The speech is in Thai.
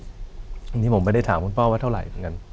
อันนี้ผมไม่ได้ถามคุณพ่อว่าเท่าไหร่เหมือนกัน